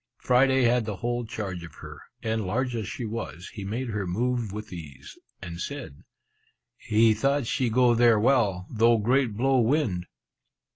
Friday had the whole charge of her; and, large as she was, he made her move with ease, and said, "he thought she go there well, though great blow wind!"